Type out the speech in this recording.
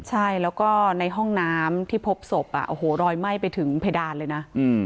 ใช่แล้วก็ในห้องน้ำที่พบศพโอ้โหรอยไหม้ไปถึงเพดานเลยนะ